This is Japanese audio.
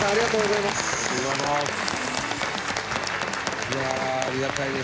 いやあありがたいです